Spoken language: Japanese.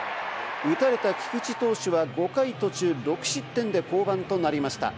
打たれた菊池投手は５回途中６失点で降板となりました。